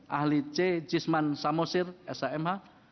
ahli c jisman samosir shmh